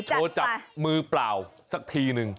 โชว์จับมือเปล่าสักทีนึง